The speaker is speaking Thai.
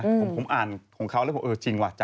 คือผมอ่านของเขาแล้วผมจริงว่ะจ้ะ